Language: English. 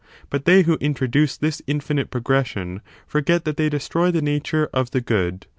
But they who intro duce this infinite progression forget that they destroy the nature of the good.